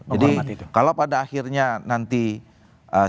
jadi kalau pada akhirnya nanti sekarang